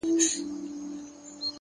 د باران ورو ورو ختمېدل سکون زیاتوي,